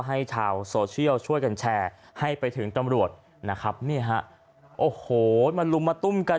ให้ชาวโซเชียลช่วยกันแชร์ให้ไปถึงตำรวจนะครับนี่ฮะโอ้โหมาลุมมาตุ้มกัน